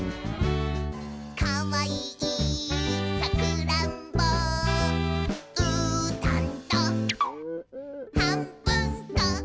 「かわいいさくらんぼ」「うーたんとはんぶんこ！」